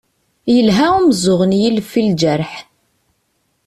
Yelha umeẓẓuɣ n yilef i lǧerḥ.